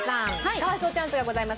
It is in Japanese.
可哀想チャンスがございます。